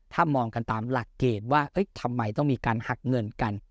ถ้ามองกันตามหลักเกณฑ์ว่าทำไมต้องมีการหักเงินกัน